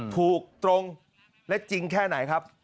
ถูกตรงและจริงแค่ไหนครับ